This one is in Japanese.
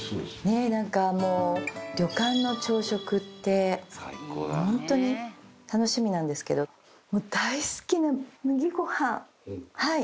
ねえなんかもう旅館の朝食ってホントに楽しみなんですけどもう大好きな麦ご飯はい。